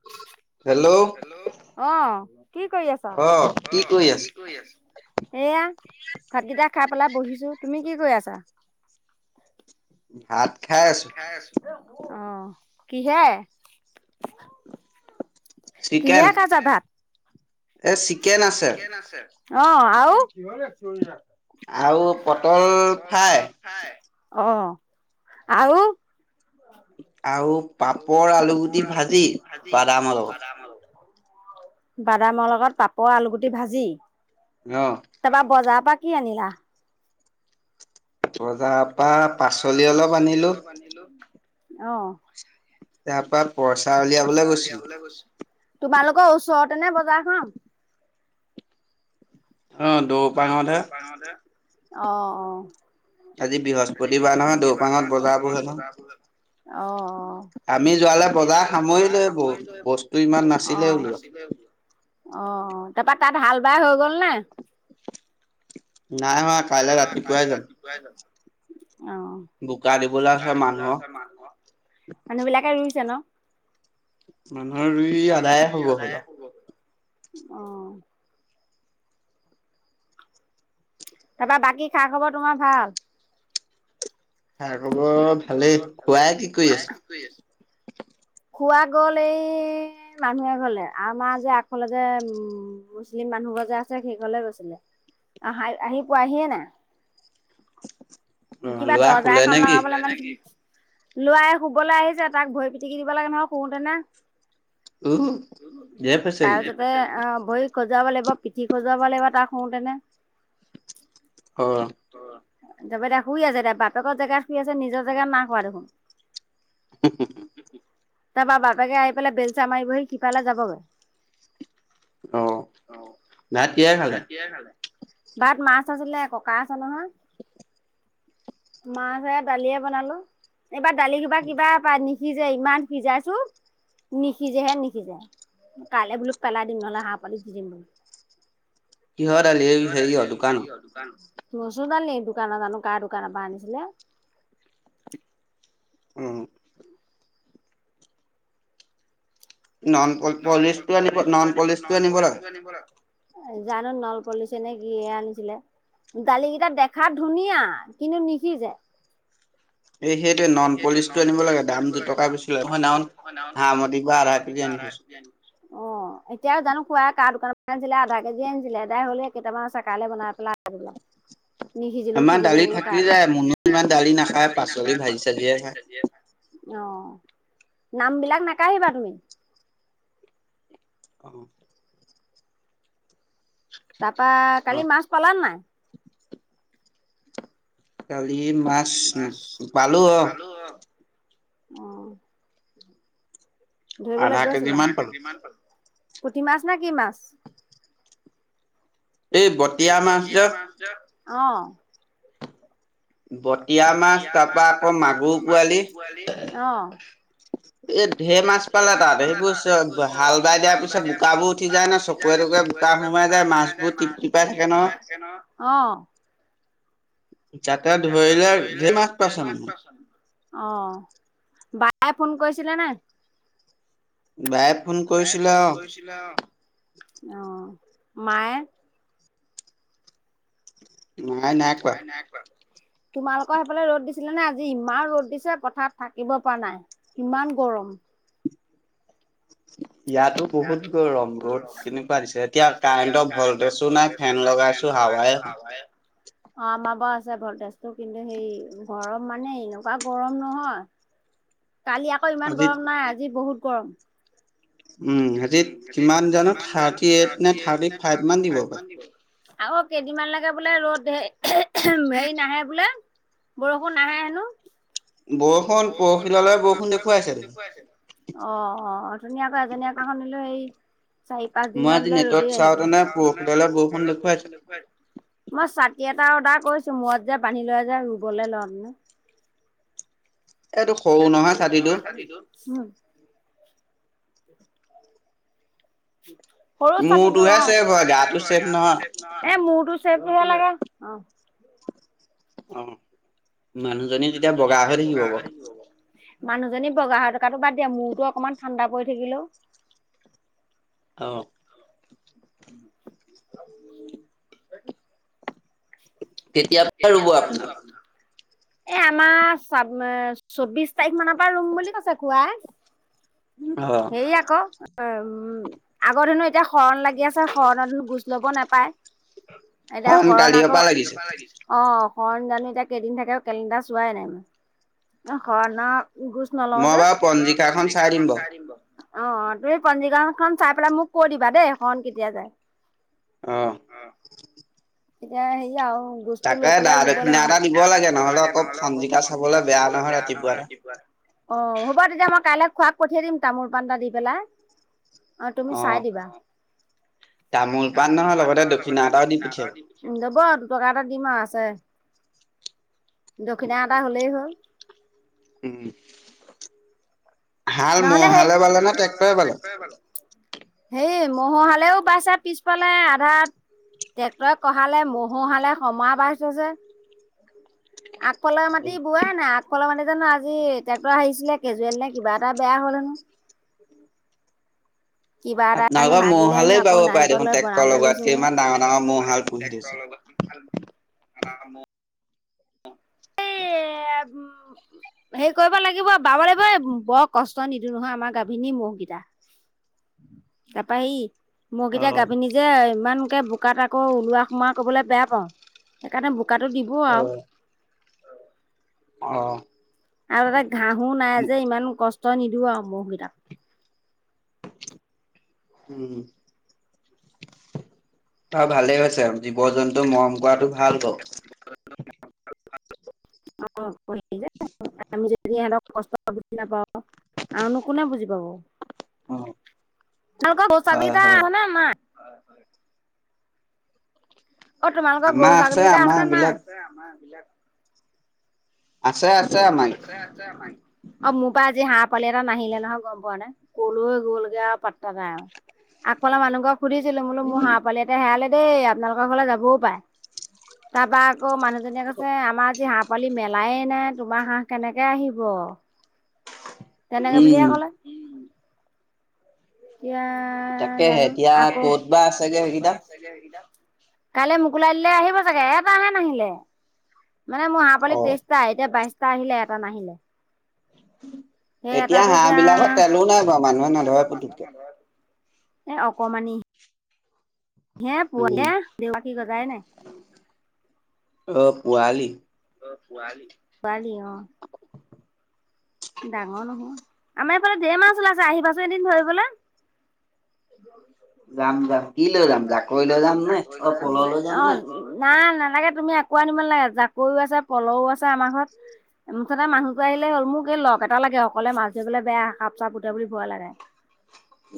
[inaudible] Hello. Hello অহ কি কৰি আছা? অহ কি কৰি আছা? এইয়া ভাতকেইটা খাই পেলাই বহিছো তুমি কি কৰি আছা? ভাত। ভাত খাই আছোঁ। অ কিহে। কিহে খাইছা ভাত? এ চিকেন আছে। আছে। অ' আৰু? আৰু পটল ফাই। অ' আৰু। আৰু। পাপৰ আলু গুটি ভাজি বাদামৰ সতে। বাদামৰ লগত পাপৰ, আলুগুটি ভাজি। অ'। তাৰপৰা বজাৰৰ পৰা কি আনিলা? বজাৰৰ পৰা পাচলি অলপ আনিলো। [inaudible] অ'। তাৰ পৰা পইচা উলিয়াবলে গৈছিলো। তোমালোকৰ ওচৰতে নে বজাৰ খন। অ'। অ' অ' অ'। আজি বৃহস্পতিবাৰ নহয় দৌপাঙত বজাৰ বহে নহয়। অ' অ'। আমি যোৱালে বজাৰ সামৰিলোই বহুত বস্তু ইমান নাছিলে ওলোৱা। অ' অ' তাৰপা তাত হাল বাই হৈ গ'ল নে? নাই হোৱা কাইলৈ ৰাতিপুৱাই যাম। অ'। বোকা দিবলৈ আছে মানুহৰ। মানুহ বিলাকে ৰুইছে ন'। মানুহৰ ৰুই আদায়ে হ'ব হ'ল আও। অ'। তাৰপৰা বাকী খা খবৰ তোমাৰ ভাল? খা খবৰ ভালেই খোৱাই কি কৰি আছে। খোৱা গ'ল এই মানুহে এঘলে আমাৰ যে আগ ফালে যে উম। মুছলিম মানুহঘৰ যে আছে সেইঘৰলে গৈছিলে আহ আহি পোৱাহিয়ে নাই। কিবা দৰ্জা এখন লগাব। লোৱায়ে শুবলৈ আহিছে তাক ভৰি পিটিকি দিব লাগে নহয় শুউতেনে। তাৰপিছত। তে অ' ভৰিত সজোৱাব লাগিব, পিঠি সজোৱাব লাগিব, তা শুউতেনে। অ'। তাপা এতিয়া শুই আছে দে বাপেকৰ জেগাত শুই আছে নিজৰ জেগাত না খোৱা দেখোন। উম হুম। তাৰপৰা বাপেকে আহি পেলাই বেলচা মাৰিবহি সিফালে যাবগৈ। অ' ভাত কিহে খালে ভাত মাছ আছিলে ককা আছে নহয়। মাছ হে দালিয়ে বনালো এইবাৰ দালি কিবা কিবা পাই নিসিজে ইমান সিজাইচো। নিসিজেহে নিসিজে কাইলে বোলো পেলাই দিম নহলে হাঁহ পোৱালিক দি দিম বোলো। কিহৰ দালি এই হেৰি অ' দোকানৰ দোকান মচুৰ দালি দোকানৰ জানো কাৰ দোকানৰ পৰা আনিছিলে। অ নন প পলিচটো আনিব নন পলিচটো আনিব লাগে। জানো নলপলিচে নে কিয়ে আনিছিলে। দালিকেইটা দেখাত ধুনীয়া কিন্তু নিসিজে। এই সেইটোৱে নন পলিচটো আনিব লাগে দাম দুটকা বেছি লয় মই সেইদিনাখন হাৰমতি পৰা আধাকেজি আনি থৈছো। [inaudible] এতিয়া জানো খুড়াই কাৰ দোকানৰ পৰা আনিছিলে আধা কেজি আনিছিলে আদাই হ'লেই কেইটামান আছে কাইলে বনাই পেলাই আদাই কৰি পেলাব লাগিব আমাৰ দালি থাকি যায় মুনু ইমান দালি নাখায় পাচলি ভাজি চাজিয়ে খায়। ভাজিয়ে খাই অ' নাম বিলাক নাকাঢ়িবা তুমি। অ তাৰ পৰা কালি মাছ পালা নে নাই কালি মাছ না পালোঁ অ অ ধৰিবলে গৈছিলা আধা কেজিমান পালো পুঠি মাছ নে কি মাছ এই বতিয়া মাছ [unintelligible] অ বতিয়া মাছ তাৰপৰা আকৌ মাগুৰ পোৱালি অ [unintelligible] এই ঢেৰ মাছ পালে তাত সেইবোৰ চ হাল বাই দিয়াৰ পিছত বোকাবোৰ উঠি যায় ন চক চকুৱে টকুুৱে বোকা সোমাই যায় মাছবোৰ তিপ তিপাই থাকে নহয় যাতে ধৰিলে ধেৰ মাছ পাইছে মানুহে অ বায়ে ফোন কৰিছিলে নাই বায়ে ফোন কৰিছিলে অ কৰিছিলে অ অ মায়ে মায়ে নাই কৰা তোমালোকৰ সেইফালে ৰ'দ দিছিলে নে আজি ইমান ৰ'দ দিছে পথাৰত থাকিব পৰা নাই ইমান গৰম ইয়াতো বহুত গৰম ৰদ কেনেকুৱা দিছে এতিয়া কাৰেণ্টৰ ভল্টেজো নাই ছো নাই ফেন লগাইছো হাৱাই অ আমাৰ বাৰু আছে ভলটেজটো কিন্তু সেই গৰম মানে এনেকুৱা গৰম নহয় কালি আক ইমান গৰম নাই আজি বহুত গৰম উম আজি কিমান জানো থাৰ্টি এইট নে থাৰ্টি ফাইভ মান দিব হপায় আকৌ কেইদিনমান লেকে বোলে ৰ'দ এহ এহম হেৰি নাহে বোলে বৰষুণ নাহে হেনো বৰষুণ পৰহিললে বৰষুণ দেখুৱাইছে অ অ অথনি আকৌ এজনীয়ে কোৱা শুনিলো হেৰি চাৰি পাঁচ দিন মান বোলে ৰদে আহিব পৰহিলে বৰষুণ দে মই ছাটি এটা অৰ্ডাৰ কৰিছো মূৰত যে বান্ধি লয় যে ৰুবলে লওঁতেনে এটো এইটো সৰু নহয় ছাটিটো [unintelligible] সৰু ছাটিটো অ মুৰটোহে আছে গাটো চেপ এ মুৰতো চেপ হব লাগে অ অ মানুহজনী তেতিয়া বগা হৈ থাকিব বাউ মানুহজনী বগা হৈ থকাতো বাদ দিয়া মূৰতো অকমান ঠাণ্ডা পৰি থাকিলেও অ [unintelligible] [unintelligible] কেতিয়াৰ পা ৰুব আপোনাল এ আমাৰ চাব চৌবিশ তাৰিখ মানৰ পা ৰুম বুলি কৈছে খুৱাই সেই আক উম আগৰ দেনো এতিয়া শৰণ লাগি আছে শৰণৰ দিন গুচ লব নাপায় এতিয়া শৰণ আকৌ কালিঅপা লাগিছে অ শৰণৰ জানো এতিয়া কেইদিন থাকে কেলেন্ডাৰ চোৱাই নাই মই শৰণৰ গুজ নলওঁ যে মই বাউ পঞ্জিকাখন চাই দিম বাৰু অ তুমি পঞ্জিকাখন চাই পেলাই মোক কৈ দিবা দেই শৰণৰ কেতিয়া যায় অ এতিয়া হেৰি আও, বস্তু লৈ পেলাই ৰুব লাগে কিবা দা দক্ষিণা এটা দিব লাগে নহলে আকৌ পঞ্জিকা চাবলৈ বেয়া নহয় ৰাতিপুৱা অ' হ'ব তেতিয়া মই কাইলে খুৰাক পঠিয়াই দিম তামোল পাণ এটা দি পেলাই। অ' তামোল পাণ নহয় লগতে দক্ষিণা এটাও দি পঠিয়াব। লব দুটকা এটা দিম আউ আছে দক্ষিণা এটা হলেই হ'ল। উম' নহ'লে হেই, ম'হ হালে বালে নে ট্ৰেক্টৰে বালে। হেই ম'হৰ হালেও বাইছে পিছফালে আধাত ট্ৰেক্টৰে কঢ়ালে ম'হৰ হালে সমা বাইছে যে আগফালৰ মাটি বোৱাই নাই আগফালৰ মাটি জানো আজি ট্ৰেক্টৰ আহিছিলে কেজুৱেল নে কিবা এটা বেয়া হ'ল হেনো কিবা এটা হেনো ভাগিলে হেনো আকৌ নাৰায়ন পুৰৰ লৈ বনাবলৈ গৈছে গে আপুনি চলাব পাৰে দেখোন ট্ৰেক্টৰৰ লগত [unintelligible] অ' [unintelligible] [unintelligible] হেৰি কৰিব লাগিব বাব লাগিব দেই বৰ কষ্ট নিদিওঁ নহয় আমাৰ গাভিনী ম'হকেইটা তা পা ই ম'হ কেইটা গাভিনি যে ইমানকে বোকাত আকৌ ওলোৱা সোমোৱা কৰিবলৈ বেয়া পাওঁ সেইকাৰণে বো গাটো দিব আউ অ' আৰু তাতে ঘাহো নাই যে ইমান কষ্ট নিদিও আউ ম'হগিটাক উম', হম অ' ভালেই হৈছে জীৱ জন্তু মৰম কৰাটো ভাল বাউ হ'ব মই নিজে ফোন আমি যদি ইহতক কষ্ট বুজি নাপাঅ' আৰুনো কোনে বুজি পাব। তহঁতৰ গৰু- ছাগলী কেইটা আছে নে নাই? অ', তোমালোকৰ গৰু -ছাগলীকেইটা আছে নে নাই? আছে, আছে আমা আছে আছে মাই, অ, মোৰ পৰা আজি হাঁহ পালি এটা নাহিলে নহয় গম পোৱা নে? কলৈ গ'লগে আৰু পাত্তা নাই আৰু। আগফালৰ মানুহ ঘৰক সুধিছিলো বোলো মোৰ হাহঁপোৱালি এটা হেৰালে দেই, আপোনালোকৰ ফালে যাবও পাৰে। তাৰপা আকৌ মানুহজনীয়ে কৈছে আমাৰ আজি হাঁহ পোৱালি মেলাই নাই। তোমাৰ হাঁহ কেনেকে আহিব? তেনেকে বুলিহে ক'লে। এতিয়া জানো আকৌ, এই এতিয়া ক'ত বা আছেগে সেইকেইটা। কাইলে মোকোলাই দিলে আহিব ছাগে। এটাহে নাহিলে। মানে মোৰ হাহঁপোৱালি টেষ্ট এতিয়া বাইশটা আহিলে এটা নাহিলে। উম [inaudible] সেই এটা এতিয়া, হাহঁ বিলাকৰ তেটো নাই মানুহে নধৰে। এ অকমানি হে পোৱালি [unintelligible] হে, পাখী গজাই নাই। অ পোৱালি? অ পোৱালি? পোৱালি অ। ডাঙৰ নহয়। আমাৰ এইফালে ঢেৰ মাছ ওলাইছে আহিবাচোন এদিন ধৰিবলে। যাম, যাম। কি লৈ যাম যাকৈ লৈ যাম নে? অ। নাই নালাগে তুমি একো আনিব নালাগে, জাকৈও আছে, পলও আছে, আমাৰ ঘৰত। মুঠতে মানুহটো আহিলেই হ'ল। মোক মুঠতে লগ এটা লাগে, অকলে মাছ ধৰিবলৈ বেয়া, সাপ চাপ সুতে বুলি ভয় লাগে।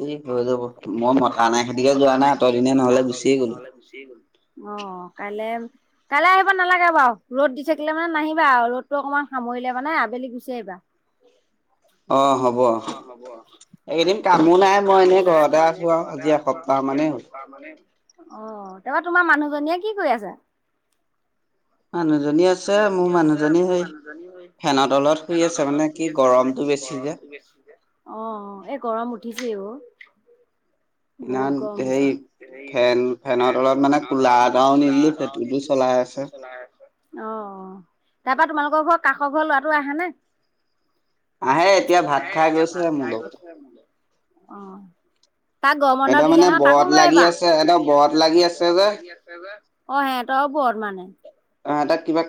এ হৈ যাব, মই মতা নাই সেইগতিকে যোৱা নাই, অত দিনে নহলে গুচিয়ে গলো গুছিয়ে গলো। অ, কাইলে কাইলে আহিব নালাগে বাৰু। ৰ'দ দি থাকিলে মানে নাহিবা আৰু ৰ'দটো অকণমান সামৰিলে মানে আবেলি গুচি আহিবা। অ হ'ব। এইেইদিন কামো নাই মই এনেই ঘৰতে আছো আৰু, আজি এসপ্তাহ মানেই হ'ল। কামো নাই। অ। তাৰপা তোমাৰ মানুহজনীয়ে কি কৰি আছে? মানুহজনী আছে। মোৰ মানুহজনী সেই ফেনত তলত শুই আছে মানে কি গৰমটো বেছি যে। বেছি যে। অ অ। এ গৰম উঠিছেও। বহুত গৰম হৈছে। সেই ফেন ফেনৰ তলত মানে কোলাৰ এটাও আনি দিলো সেইটো লৈছে। চলাই আছে। অ, তাৰপৰা তোমালোকৰ ঘৰত কাষৰ ঘৰৰ লৰাটো আহা নাই? আহে এতিয়া ভাত খাই গৈছেহে মোৰ লগত। অ। তাক গৰম বন্ধ দিলে নহয়, তাকো লৈ আহিবা। ব্ৰত লাগি আছে, সেঁত ব্ৰত লাগি আছে। আছে যে। ‌ অ সেঁহত‌ও ব্ৰত মানে?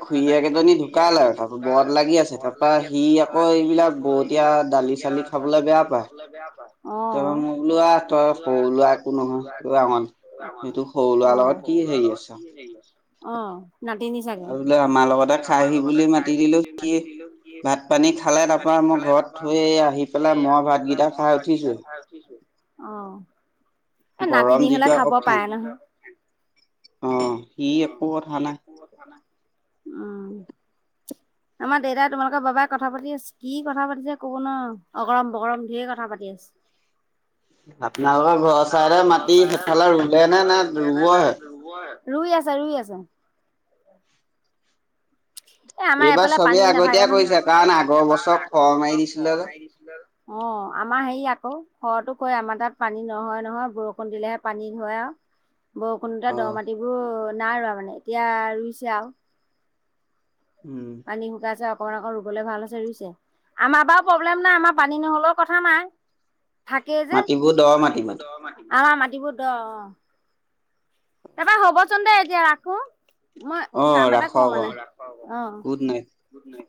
তাহাঁত কিবা খুৰীয়েক এজনী ঢুকালে। ব্ৰত লাগি আছে তাৰপৰা সি আকৌ, এই বিলাক বৰতীয়া দালি চালি খাবলৈ বেয়া পায়। অ। তাপা মই বোলোঁ আ ত‌ই সৰুল'ৰা একো নহয়। [unintelligible] সৰু ল'ৰাৰ লগত কি হেৰি আছে। অ নাতিনি চাগে? আমাৰ লগতে খাহি বুলি মাতি দিলো। সি ভাত পানী খালে তাৰ পৰা মই ঘৰত, থৈ এই আহি পেলাই মই ভাতকেইটা খাই উঠিছোহে। অ', এ নাতিনী হ'লে খাব পাৰে নহয়। অ', সি একো কথা নাই। উম। আমাৰ দেউতাই তোমালোকৰ বাবাই কথা পাতি আছে। কি কথা পাতিছে ক'ব নোৱাৰোঁ, অগৰম বগৰম ঢেৰ কথা পাতি আছে। আপোনালোকৰ ঘৰ চাইদে মাতি সেইফালে ৰুলে নে নে ৰুবহে? ৰুবহে, ৰুই আছে, ৰুই আছে। এ আমাৰ এইফালে পানী নাথাকে নহয় আগতিয়া কৰিছে কাৰণ আগৰ বছৰ খৰ মাৰি দিছিলে আৰু। অ', আমাৰ হেৰি আকৌ ঘৰতো কয় আমাৰ তাত পানী নহয় নহয় বৰষুণ দিলেহে পানী হয় আৰু। [inaudible] বৰষুণতে দ' মাটিবোৰ নাই ৰুৱা মানে এতিয়া ৰুইছে আৰু। উম। পানী শুকাই আছে অকণ অকণ ৰুবলৈ ভাল হৈছে, ৰুইছে। আমাৰ বা প্ৰব্লেম নাই, আমাৰ পানী নহ'লেও কথা নাই। থাকেই যে, মাটিবোৰ দ' মাট আমাৰ মাটিবোৰ দ' অ', তাৰপৰা হ'বচোন দে এতিয়া ৰাখো। মই কাম এটা কৰোঁ মানে অ'।